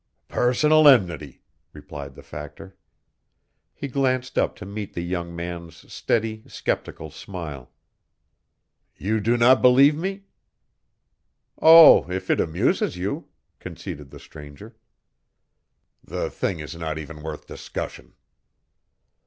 "Personal enmity," replied the Factor. He glanced up to meet the young man's steady, sceptical smile. "You do not believe me?" "Oh, if it amuses you," conceded the stranger. "The thing is not even worth discussion."